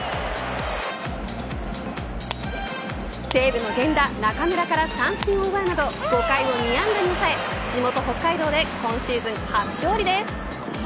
西武の源田、中村から三振を奪うなど５回を２安打に抑え地元北海道で今シーズン初勝利です。